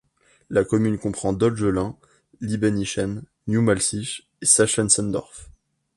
La commune comprend Dolgelin, Libbenichen, New Mahlisch et Sachsendorf.